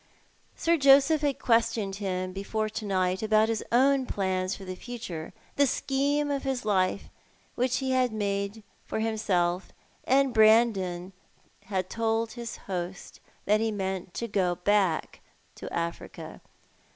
Sir Joseph had questioned him before to night about his own plans for the future— the scheme of life which he had made for himself— and Brandon had told his host that he meant to go back to Africa.